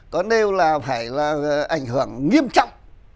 có nêu là phải là ảnh hưởng nghiêm trọng